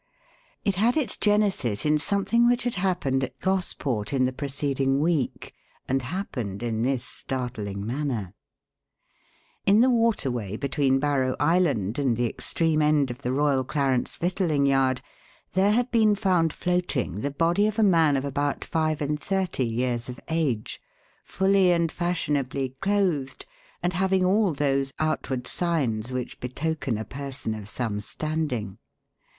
It had its genesis in something which had happened at Gosport in the preceding week, and happened in this startling manner: In the waterway between Barrow Island and the extreme end of the Royal Clarence Victualling Yard there had been found floating the body of a man of about five and thirty years of age, fully and fashionably clothed and having all those outward signs which betoken a person of some standing.